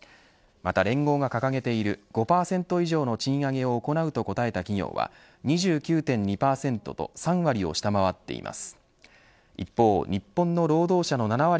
また連合が掲げている５％以上の賃上げを行うと答えた企業は２９．２％と３割を下回っています。